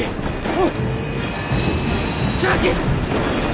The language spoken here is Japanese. おい。